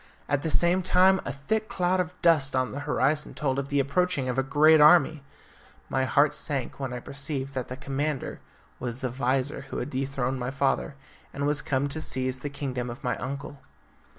At the same time a thick cloud of dust on the horizon told of the approach of a great army. My heart sank when I perceived that the commander was the vizir who had dethroned my father, and was come to seize the kingdom of my uncle.